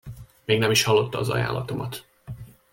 Még nem is hallotta az ajánlatomat!